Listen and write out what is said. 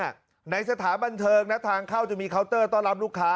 ที่เบิร์ดว่าแพงในสถาบันเทิงนักทางเข้าจะมีเคาน์เตอร์ต้อนรับลูกค้า